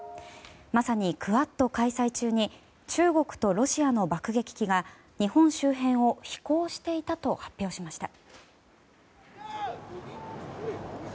まさにクアッド開催中に中国とロシアの爆撃機が日本周辺を飛行していたと発表しました。